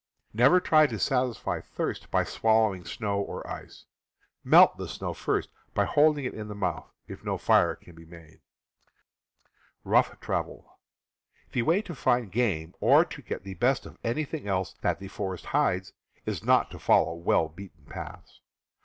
Never try to satisfy thirst by swal lowing snow or ice; melt the snow first by holding it in the mouth, if no fire can be made. The way to find game, or to get the best of anything else that the forest hides, is not to follow well beaten ^, paths.